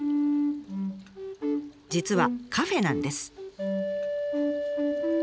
実はカフェなんです。